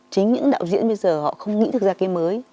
chính những đạo diễn bây giờ họ không nghĩ được ra cái mới